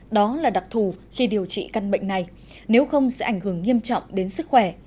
đó là đặc thù khi điều trị căn bệnh này nếu không sẽ ảnh hưởng nghiêm trọng đến sức khỏe